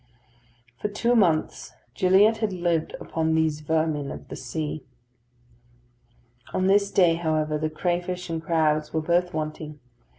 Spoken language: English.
For two months Gilliatt had lived upon these vermin of the sea. On this day, however, the crayfish and crabs were both wanting.